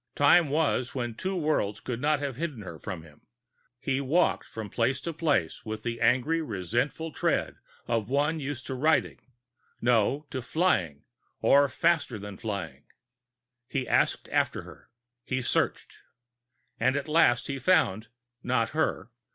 Time was when two worlds could not have hidden her from him; but that time was gone. He walked from place to place with the angry resentful tread of one used to riding no, to flying, or faster than flying. He asked after her. He searched. And at last he found not her.